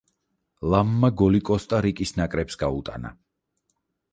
ლამმა გოლი კოსტა-რიკის ნაკრებს გაუტანა.